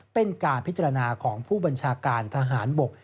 เป็นการพิจารณาของผู้บัญชาการทหารบก